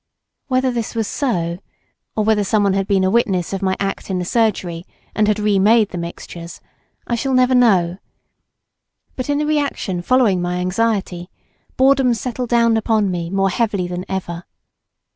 Whether this was so, or whether someone had been a witness of my act in the surgery, and had re made the mixtures, I shall never know, but in the reaction following my anxiety, boredom settled down upon me more heavily than ever.